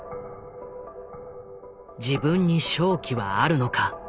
自分に勝機はあるのか。